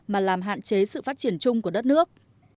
mà làm hạn chế sự phát triển chung của đất nước